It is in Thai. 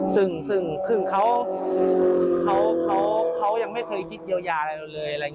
ซึ่งเขายังไม่เคยคิดเยียวยาอะไรเราเลย